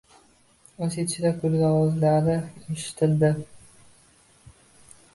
Uy ichidan kulgi ovozlari eshitildi.